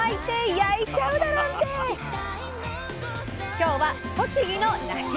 今日は栃木の「なし」。